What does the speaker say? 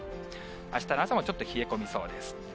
あしたの朝もちょっと冷え込みそうです。